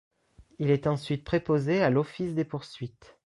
Il est ensuite préposé à l'Office des poursuites.